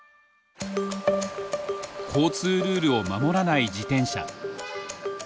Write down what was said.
交通ルールを守らない自転車。